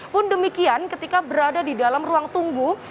pun demikian ketika berada di dalam ruang tunggu